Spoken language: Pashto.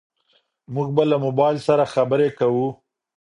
موږ به له موبايل سره خبرې کوو.